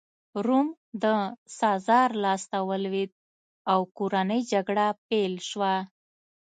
روم د سزار لاسته ولوېد او کورنۍ جګړه پیل شوه